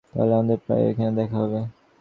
তাহলে আমাদের প্রায়ই ওখানে দেখা হবে।